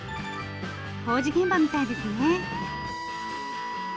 工事現場みたいですね。